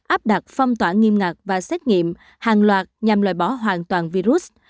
áp đặt phong tỏa nghiêm ngặt và xét nghiệm hàng loạt nhằm loại bỏ hoàn toàn virus